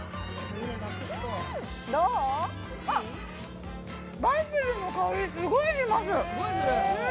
うん、バジルの香り、すごいします。